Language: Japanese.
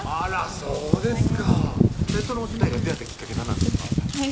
そうですか２人が出会ったきっかけ何なんですか？